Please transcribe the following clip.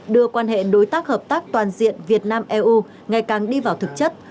đưa quan hệ đối tác hợp tác toàn diện việt nam eu ngày càng đi vào thực chất